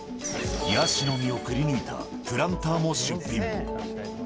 ヤシの実をくりぬいたプランターも出品。